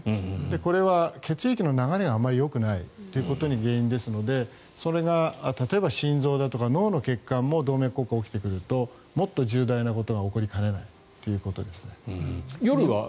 これは血液の流れがあまりよくないことが原因ですのでそれが例えば心臓だとか脳の血管も動脈硬化が起きてくるともっと重大なことが起こりかねないということですね。